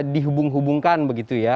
dihubung hubungkan begitu ya